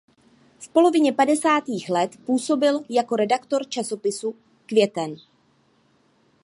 V polovině padesátých let působil jako redaktor časopisu Květen.